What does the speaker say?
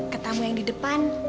ke tamu yang di depan